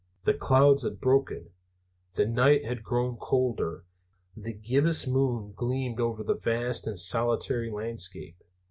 The clouds had broken; the night had grown colder; the gibbous moon gleamed over the vast and solitary landscape.